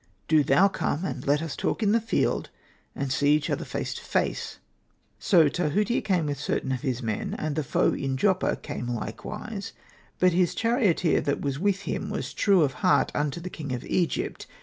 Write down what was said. Do thou come, and let us talk in the field, and see each other face to face/' So Tahutia came with certain of his men ; and the Foe in Joppa came likewise, but his charioteer that was with him was true of heart unto the king of Egypt.